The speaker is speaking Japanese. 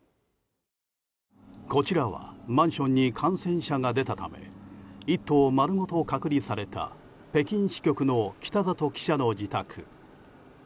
こちらはマンションに感染者が出たため１棟丸ごと隔離された北京支局の北里記者の自宅。